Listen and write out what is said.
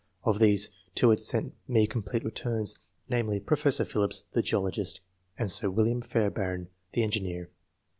Of these, two had sent me complete returns, namely, Professor Phillips, the geologist, and Sir William Fairbairn, the engineer.